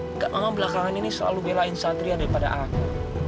enggak mama belakangan ini selalu belain satria daripada aku